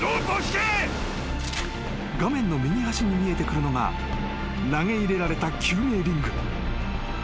［画面の右端に見えてくるのが投げ入れられた救命リング］